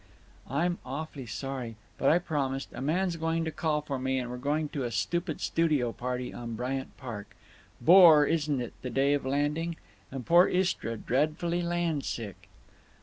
"I'm awf'ly sorry, but I promised—a man's going to call for me, and we're going to a stupid studio party on Bryant Park. Bore, isn't it, the day of landing? And poor Istra dreadfully landsick."